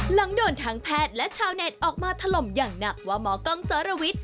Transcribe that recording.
หลังโดนทั้งแพทย์และชาวเน็ตออกมาถล่มอย่างหนักว่าหมอกล้องสรวิทย